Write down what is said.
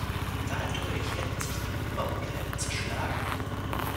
Dadurch hätten sich die Umbaupläne zerschlagen.